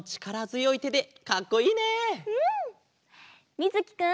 みずきくん。